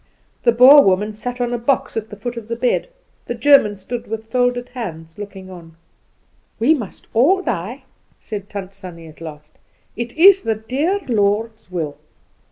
The Boer woman sat down on a box at the foot of the bed. The German stood with folded hands looking on. "We must all die," said Tant Sannie at last; "it is the dear Lord's will."